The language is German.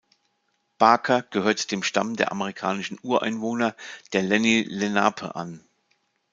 Barker gehört dem Stamm der amerikanischen Ureinwohner der Lenni Lenape an.